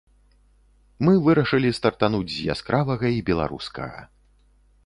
Мы вырашылі стартануць з яскравага і беларускага.